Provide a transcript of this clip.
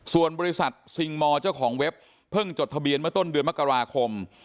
ส่วนบริษัทซิงมอร์เจ้าของเว็บเพิ่งจดทะเบียนเมื่อต้นเดือนมกราคม